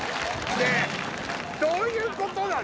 ねぇどういうことなの？